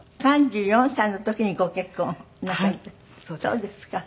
そうですか。